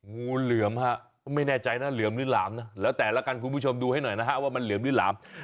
งูเหลือมฮะไม่แน่ใจนะเหลือมหรือหลามนะแล้วแต่ละกันคุณผู้ชมดูให้หน่อยนะฮะว่ามันเหลือมหรือหลาม